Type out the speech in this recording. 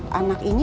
kan sampai ni aja